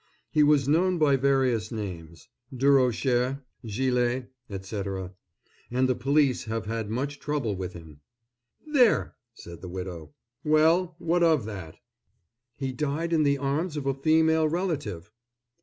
He was known by various names—Durocher, Gillet, etc.—and the police have had much trouble with him." "There!" said the widow. "Well, what of that?" "He died in the arms of a female relative."